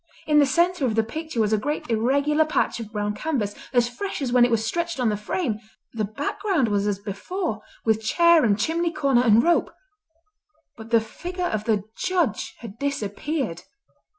In the centre of the picture was a great irregular patch of brown canvas, as fresh as when it was stretched on the frame. The background was as before, with chair and chimney corner and rope, but the figure of the Judge had disappeared.